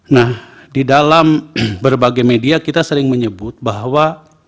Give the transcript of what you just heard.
nah di dalam berbagai media kita sering menyebut bahwa